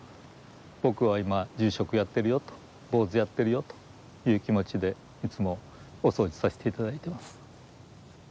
僕は今住職やってるよと坊主やってるよという気持ちでいつもお掃除させて頂いてます。